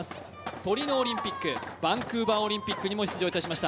トリノオリンピック、バンクーバーオリンピックにも出場いたしました。